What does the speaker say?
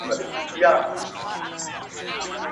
انډیوالۍ کي احسان څۀ ته وایي .